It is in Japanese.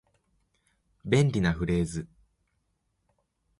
便利なフレーズ